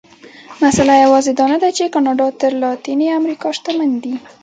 مسئله یوازې دا نه ده چې کاناډا تر لاتینې امریکا شتمن دي.